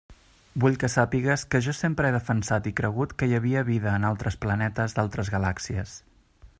Vull que sàpigues que jo sempre he defensat i cregut que hi havia vida en altres planetes d'altres galàxies.